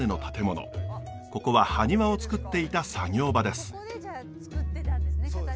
ここはハニワを作っていた作業場です。